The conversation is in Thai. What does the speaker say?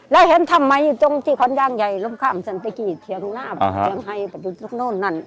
แล้วเห็นทำไมตรงที่ข้อนยางใหญ่ล้มข้ามสันติกิจเถียงหน้าเถียงไฮตรงโน่นนั่น